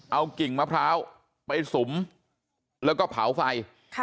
เอากิ่งมะพร้าวไปสุมแล้วก็เผาไฟ